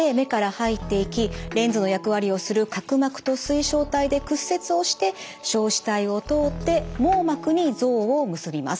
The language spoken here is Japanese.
レンズの役割をする角膜と水晶体で屈折をして硝子体を通って網膜に像を結びます。